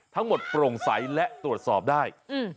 ทั้งหมดโปร่งใสและตรวจสอบได้